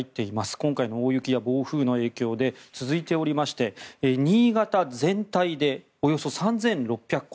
今回の大雪や暴風の影響で続いておりまして新潟全体でおよそ３６００戸。